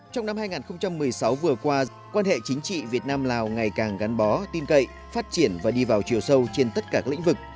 trong năm hai nghìn một mươi sáu vừa qua quan hệ chính trị việt nam lào ngày càng gắn bó tin cậy phát triển và đi vào chiều sâu trên tất cả các lĩnh vực